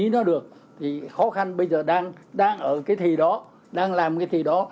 nếu nó được thì khó khăn bây giờ đang ở cái thì đó đang làm cái thì đó